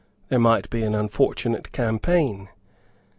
There might be an unfortunate campaign.